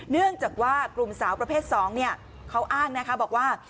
เนื่องจากว่ากลุ่มสาวประเภท๒เขาอ้างนะคะบอกว่า